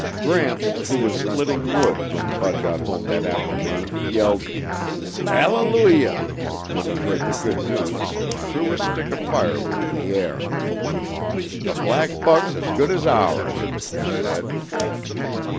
Gramps, who was splitting wood when Bud got home that afternoon, yelled "Hallelujah!" when he heard the good news and threw a stick of firewood in the air. "The black buck's as good as ours," he said.